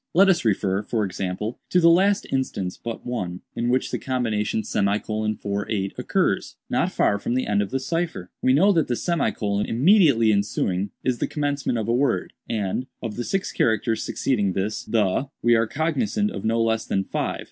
Let us refer, for example, to the last instance but one, in which the combination ;48 occurs—not far from the end of the cipher. We know that the ; immediately ensuing is the commencement of a word, and, of the six characters succeeding this 'the,' we are cognizant of no less than five.